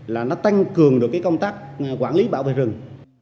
là nó tăng cường được cái công tác quản lý bảo vệ rừng